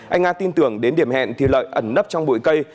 anh nga tin tưởng đến điểm hẹn thì lợi ẩn nấp trong bụi cây